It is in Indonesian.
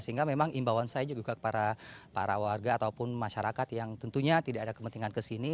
sehingga memang imbauan saya juga kepada para warga ataupun masyarakat yang tentunya tidak ada kepentingan ke sini